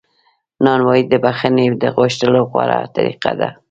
نانواتې د بخښنې غوښتلو غوره طریقه ده.